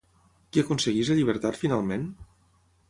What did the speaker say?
Qui aconsegueix la llibertat finalment?